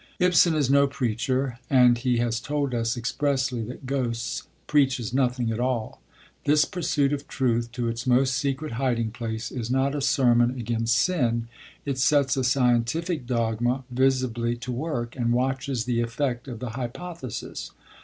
Ibsen is no preacher, and he has told us expressly that Ghosts 'preaches nothing at all.' This pursuit of truth to its most secret hiding place is not a sermon against sin; it sets a scientific dogma visibly to work, and watches the effect of the hypothesis.